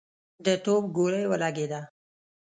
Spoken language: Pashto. د توپ ګولۍ ولګېده.